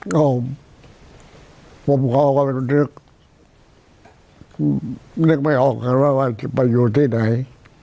ก็ผมก็เมื่อคุณฝึกนึกไม่ออกเลยว่าจะไปอยู่ที่ไหน